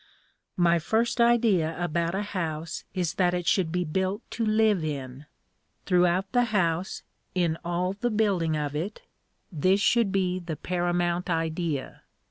My first idea about a house is that it should be built to live in. Throughout the house, in all the building of it, this should be the paramount idea.